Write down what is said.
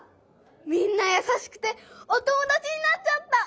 みんなやさしくてお友だちになっちゃった！